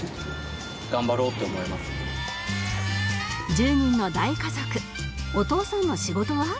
１０人の大家族お父さんの仕事は？